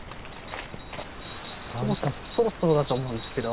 そろそろだと思うんですけど。